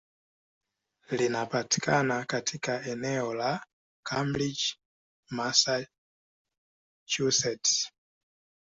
Linapatikana katika eneo la Cambridge, Massachusetts.